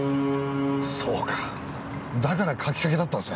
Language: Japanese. そうかだから描きかけだったんですね。